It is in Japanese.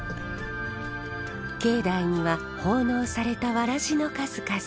境内には奉納されたわらじの数々。